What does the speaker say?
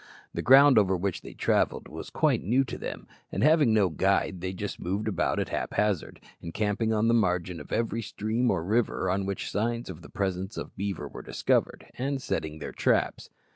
The ground over which they travelled was quite new to them, and having no guide they just moved about at haphazard, encamping on the margin of every stream or river on which signs of the presence of beaver were discovered, and setting their traps.